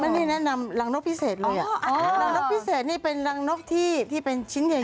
นี่แนะนำรังนกพิเศษเลยอ่ะรังนกพิเศษนี่เป็นรังนกที่เป็นชิ้นใหญ่